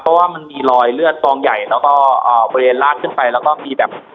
เพราะว่ามันมีรอยเลือดกองใหญ่แล้วก็บริเวณลากขึ้นไปแล้วก็มีแบบ